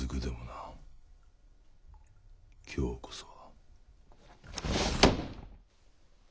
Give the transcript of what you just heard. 今日こそは。